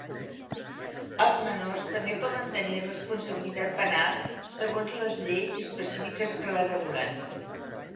Els menors també poden tenir responsabilitat penal, segons les lleis específiques que la regulen.